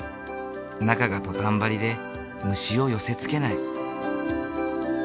中がトタン張りで虫を寄せつけない。